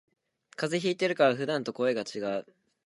風邪ひいてるから普段と声がちがう